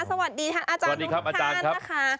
สวัสดีท่านอาจารย์ทุกคนค่ะ